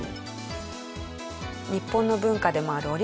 日本の文化でもある折り紙。